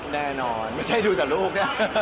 แน่นอนไม่ใช่ดูแต่ลูก